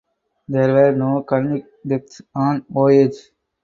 There were no convict deaths on the voyage.